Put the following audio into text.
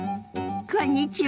こんにちは。